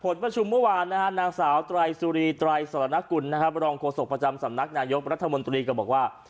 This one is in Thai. ผลประชุมเมื่อวานนางสาวตรายซุรีตรายสตรานกุลลองโคโศกประจำสำนักนางยกรัฐมนตรีก็บอกว่า